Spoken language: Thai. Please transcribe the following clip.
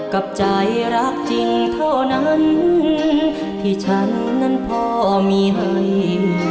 กับใจรักจริงเท่านั้นที่ฉันนั้นพ่อมีให้